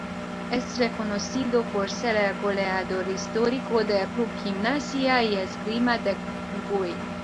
Es reconocido por ser el goleador histórico del club Gimnasia y Esgrima de Jujuy.